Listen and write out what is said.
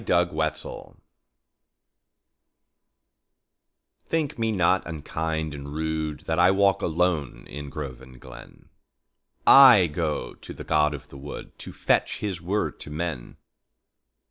The Apology THINK me not unkind and rudeThat I walk alone in grove and glen;I go to the god of the woodTo fetch his word to men.